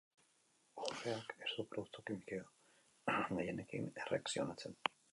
Urreak ez du produktu kimiko gehienekin erreakzionatzen.